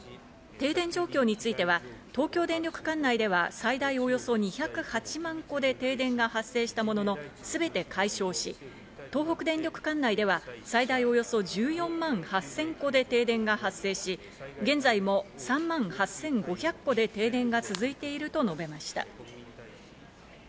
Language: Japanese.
停電状況については東京電力管内では最大およそ２０８万戸で停電が発生したものの、全て解消し、東北電力管内では最大およそ１４万８０００戸で停電が発生し、現在も３万８５００戸で停電が続いていると述べました。